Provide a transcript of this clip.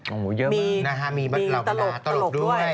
โอ้โฮเยอะมากมีตลกด้วย